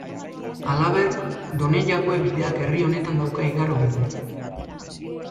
Halaber, Donejakue Bideak herri honetan dauka igarobide.